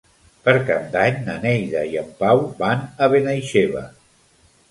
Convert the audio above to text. Per Cap d'Any na Neida i en Pau van a Benaixeve.